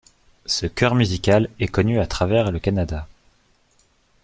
Ce chœur musical est connu à travers le Canada.